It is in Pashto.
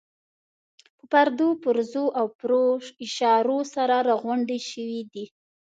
په پردو پرزو او پردو اشارو سره راغونډې شوې دي.